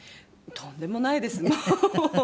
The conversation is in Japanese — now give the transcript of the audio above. とんでもないですもう。